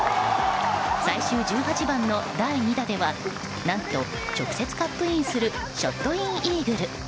最終１８番の第２打では何と、直接カップインするショットインイーグル。